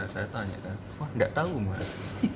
saya tanya kan wah enggak tahu mas